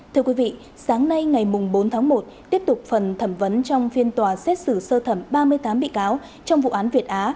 thưa quý vị sáng nay ngày bốn tháng một tiếp tục phần thẩm vấn trong phiên tòa xét xử sơ thẩm ba mươi tám bị cáo trong vụ án việt á